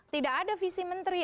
tidak ada visi menteri